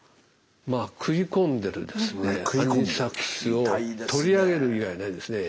まあ食い込んでるアニサキスを取り上げる以外ないですね。